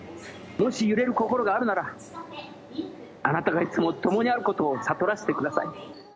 もし揺れる心があるなら、あなたがいつも共にあることを悟らせてください。